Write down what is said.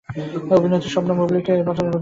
অভিনেত্রী শবনম বুবলীকেও এ বছর মানুষ খুঁজেছে বেশি।